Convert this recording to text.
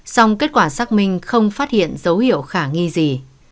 song kết quả xác minh không phát hiện dấu hiệu khả nghi gì